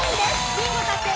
ビンゴ達成。